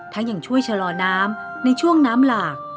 ทั้งอย่างช่วยชะหลอน้ำในช่วงน้ำหลาก